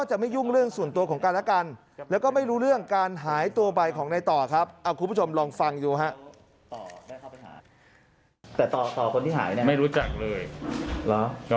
แต่ต่อคนที่หายไม่รู้จักเลยรอบรับว่าผมไม่รู้จักเลย